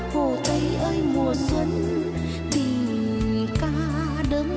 hồ tây ơi mùa xuân tình ca đớn hoa từ lòng đất